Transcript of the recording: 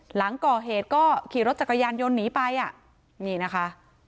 หลังก่อเหตุก็ขี่รถจักรยานยนต์หนีไปอ่ะนี่นะคะ